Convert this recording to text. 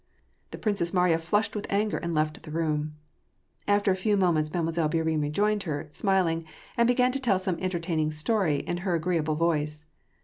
The Princess Mariya flushed with anger and left the room. After a few minutes, Mademoiselle Bourienne rejoined her, smiling, and began to tell some entertaining story in her agree able voice.